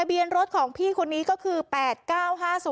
เบียนรถของพี่คนนี้ก็คือ๘๙๕๐